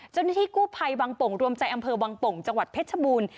เจ้าหน้าที่กู้ภัยวังโป่งรวมใจอำเภอวังโป่งจังหวัดเพชรบูรณ์